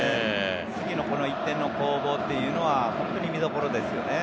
次のこの１点の攻防というのは本当に見どころですよね。